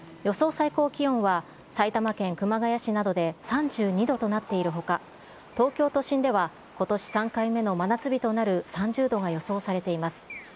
最高気温は埼玉県熊谷市などで３２度となっているほか、東京都心ではことし３回目の真夏日となる３０度が予想されています。